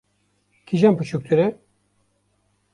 Kîjan biçûktir e?